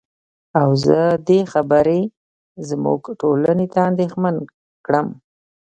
او زه دې خبرې زمونږ ټولنې ته اندېښمن کړم.